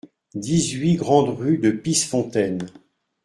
dix-huit grande Rue de Pissefontaine